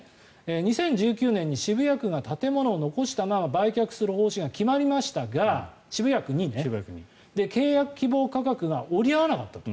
２０１９年渋谷区に建物を残したまま売却が決まりましたが契約希望価格が折り合わなかったと。